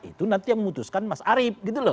itu nanti yang memutuskan mas arief gitu loh